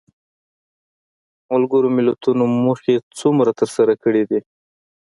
ملګرو ملتونو موخې څومره تر سره کړې دي؟